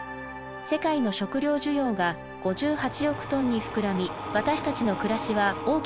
世界の食料需要が５８億トンに膨らみ私たちの暮らしは大きく変わりました。